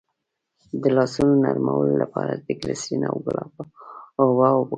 د لاسونو نرمولو لپاره د ګلسرین او ګلاب اوبه وکاروئ